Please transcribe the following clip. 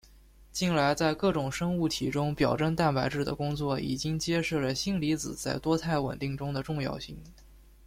近来在各种生物体中表征蛋白质的工作已经揭示了锌离子在多肽稳定中的重要性。